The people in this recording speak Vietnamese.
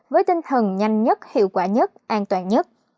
với tinh thần nhanh nhất hiệu quả nhất an toàn nhất